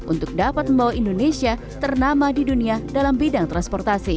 untuk dapat membawa indonesia ternama di dunia dalam bidang transportasi